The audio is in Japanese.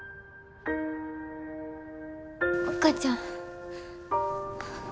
お母ちゃん。